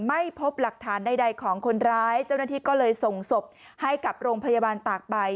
ไม่พบหลักฐานใดของคนร้ายเจ้าหน้าที่ก็เลยส่งศพให้กับโรงพยาบาลตากใบ